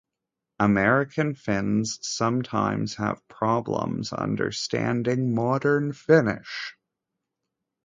American Finns sometimes have problems understanding modern Finnish.